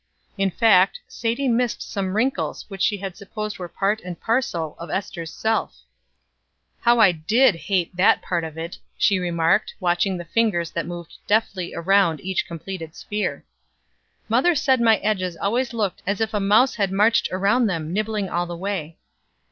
In fact, Sadie missed some wrinkles which she had supposed were part and parcel of Ester's self. "How I did hate that part of it," she remarked, watching the fingers that moved deftly around each completed sphere. "Mother said my edges always looked as if a mouse had marched around them nibbling all the way.